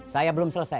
saya belum selesai